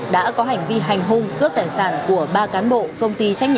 đã có hành vi hành hung cướp tài sản của ba cán bộ công ty trách nhiệm